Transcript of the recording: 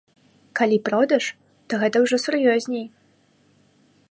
Калі продаж, то гэта ўжо сур'ёзней.